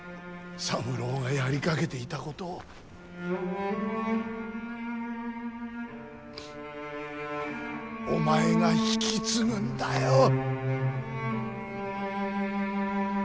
三郎がやりかけていたことをお前が引き継ぐんだよ。